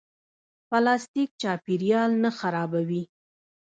پلاستیک چاپیریال نه خرابوي